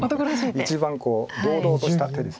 一番堂々とした手です。